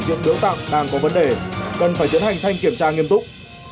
dưỡng biểu tạng đang có vấn đề cần phải diễn hành thanh kiểm tra nghiêm túc